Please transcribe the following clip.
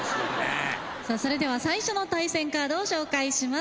さあそれでは最初の対戦カードを紹介します。